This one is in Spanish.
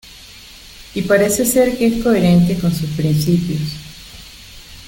y parece ser que es coherente con sus principios.